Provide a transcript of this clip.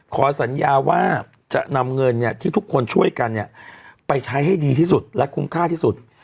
ขอสัญญาว่าจะนำเงินที่ทุกคนช่วยกันไปใช้ให้ดีที่สุดและคุ้มค่าที่สุด